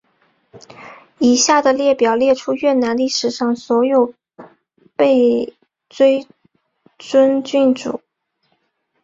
以下的列表列出越南历史上所有被追尊君主。